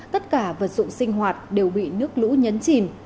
tất cả vật dụng sinh hoạt đều bị nước lũ nhấn chìm